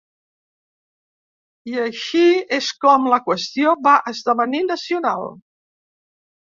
I així és com la qüestió va esdevenir nacional.